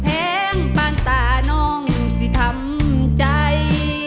แห้งปานตาน้องสิทำใจ